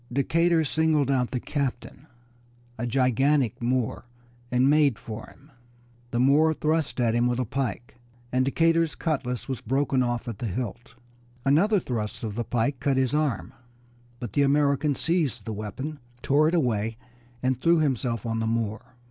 Decatur singled out the captain, a gigantic Moor, and made for him. The Moor thrust at him with a pike, and Decatur's cutlass was broken off at the hilt. Another thrust of the pike cut his arm, but the American seized the weapon, tore it away, and threw himself on the Moor.